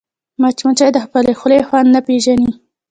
مچمچۍ د خپلې خولې خوند نه پېژني